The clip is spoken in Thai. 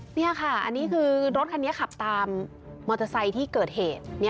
นี่ค่ะอันนี้คือรถคันนี้ขับตามมอเตอร์ไซค์ที่เกิดเหตุ